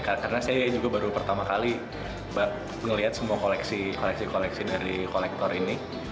karena saya juga baru pertama kali melihat semua koleksi koleksi dari kolektor ini